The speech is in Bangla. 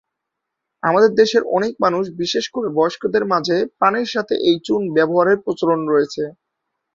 আমাদের দেশের অনেক মানুষ বিশেষ করে বয়স্কদের মাঝে পানের সাথে এই চুন ব্যবহারের প্রচলন রয়েছে।